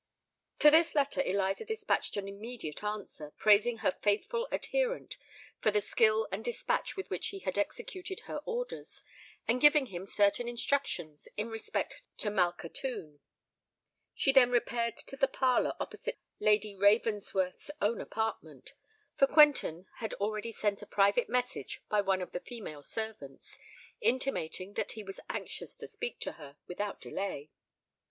To this letter Eliza despatched an immediate answer, praising her faithful adherent for the skill and despatch with which he had executed her orders, and giving him certain instructions in respect to Malkhatoun. She then repaired to the parlour opposite Lady Ravensworth's own apartment; for Quentin had already sent a private message by one of the female servants, intimating that he was anxious to speak to her without delay.